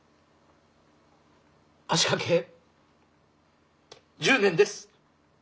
足かけ１０年です。